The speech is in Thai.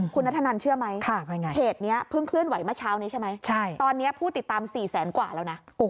คุณนัทธนันเชื่อไหมเพจนี้เพิ่งเคลื่อนไหวเมื่อเช้านี้ใช่ไหมตอนนี้ผู้ติดตาม๔แสนกว่าแล้วนะ